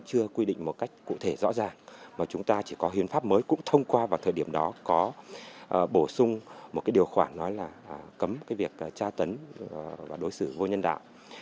chúng ta đã quyết định một cách cụ thể rõ ràng và chúng ta chỉ có huyền pháp mới cũng thông qua vào thời điểm đó có bổ sung một điều khoản nói là cấm việc tra tấn và đối xử vô nhân đạo